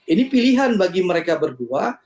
ini pilihan bagi mereka berdua